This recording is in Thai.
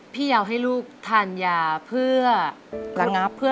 พี่ยาวให้ลูกทานยาเพื่อ